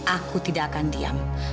aku tidak akan diam